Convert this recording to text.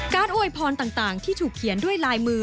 อวยพรต่างที่ถูกเขียนด้วยลายมือ